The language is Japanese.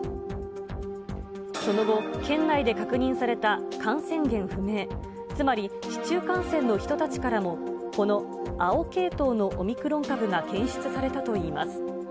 その後、県内で確認された感染源不明、つまり市中感染の人たちからも、この青系統のオミクロン株が検出されたといいます。